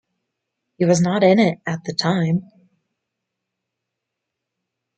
He was not in it at the time.